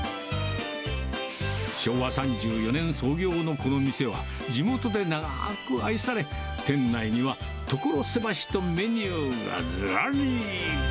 昭和３４年創業のこの店は、地元で長く愛され、店内には所狭しとメニューがずらり。